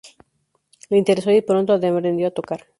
Le interesó y pronto aprendió a tocar.